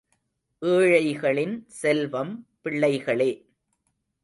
ஏழைகளின் செல்வம் பிள்ளைகளே.